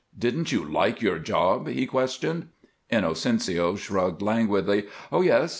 "Didn't you like your job?" he questioned. Inocencio shrugged languidly. "Oh yes!